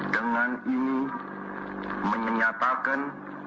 dengan ini menyatakan